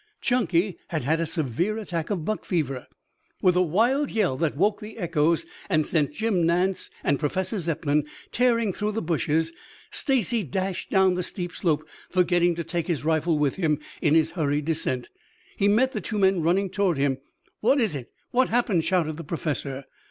Chunky had had a severe attack of "buck fever." With a wild yell that woke the echoes and sent Jim Nance and Professor Zepplin tearing through the bushes, Stacy dashed down the steep slope, forgetting to take his rifle with him in his hurried descent. He met the two men running toward him. "What is it? What's happened?" shouted the Professor.